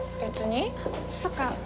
そっか。